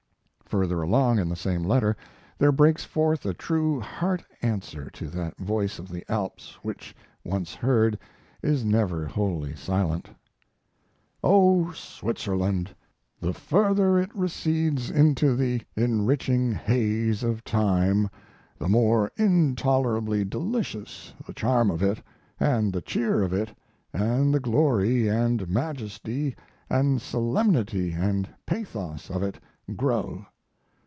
Further along in the same letter there breaks forth a true heart answer to that voice of the Alps which, once heard, is never wholly silent: O Switzerland! The further it recedes into the enriching haze of time, the more intolerably delicious the charm of it and the cheer of it and the glory and majesty, and solemnity and pathos of it grow.